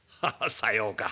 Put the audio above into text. さようか。